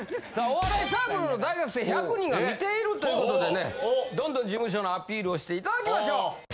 お笑いサークルの大学生１００人が見ているという事でねどんどん事務所のアピールをしていただきましょう！